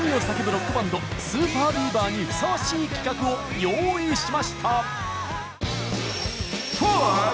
ロックバンドＳＵＰＥＲＢＥＡＶＥＲにふさわしい企画を用意しました！